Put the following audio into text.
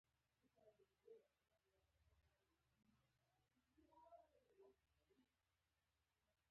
د هرې پېښې ترڅنګ تحلیلونه هم لري.